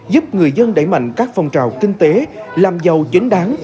giúp người dân đẩy mạnh các phong trào kinh tế làm giàu chính đáng